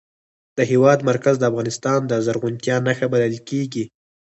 د هېواد مرکز د افغانستان د زرغونتیا نښه بلل کېږي.